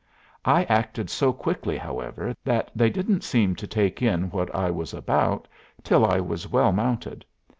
I acted so quickly, however, that they didn't seem to take in what I was about till I was well mounted.